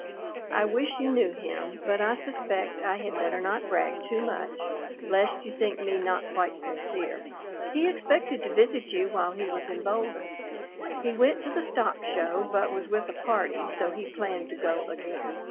I wish you knew him, but I suspect I had better not brag too much, lest you think me not quite sincere. He expected to visit you while he was in Boulder. He went to the Stock Show, but was with a party, so he planned to go again.